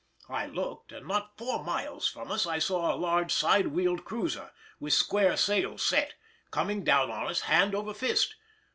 I looked, and not four miles from us I saw a large side wheel cruiser, with square sails set, coming down on us hand over fist.